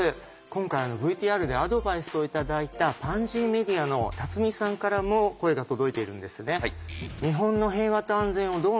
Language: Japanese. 今回ＶＴＲでアドバイスを頂いたパンジーメディアの辰己さんからも声が届いているんですね。